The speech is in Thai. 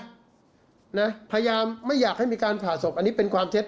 พยายามไม่อยากให้มีการผ่าศพอันนี้เป็นความเท็จ